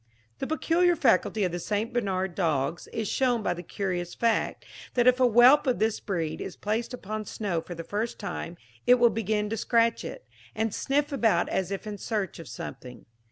The peculiar faculty of the St. Bernard dogs is shown by the curious fact, that if a whelp of this breed is placed upon snow for the first time, it will begin to scratch it, and sniff about as if in search of something.